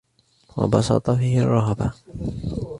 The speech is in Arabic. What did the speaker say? وَبَسَطَ فِيهِ الرَّهْبَةَ